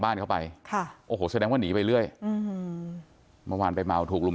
เข้าไปค่ะโอ้โหแสดงว่าหนีไปเรื่อยอืมเมื่อวานไปเมาถูกลุม